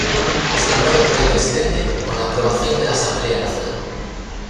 Es nombrado por el presidente, con la aprobación de la Asamblea Nacional.